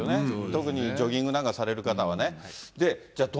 特にジョギングなんかされる方はね。